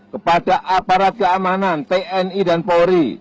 kepada aparat keamanan tni dan polri